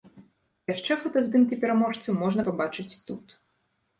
Яшчэ фотаздымкі пераможцы можна пабачыць тут.